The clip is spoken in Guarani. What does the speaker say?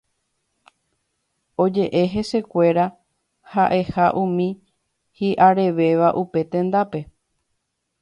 Oje'e hesekuéra ha'eha umi hi'arevéva upe tendápe